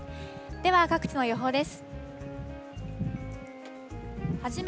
では、各地の予報です。